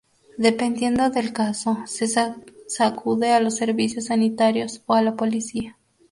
Dependiendo del caso, se acude a los servicios sanitarios o a la policía.